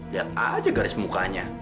lihat aja garis mukanya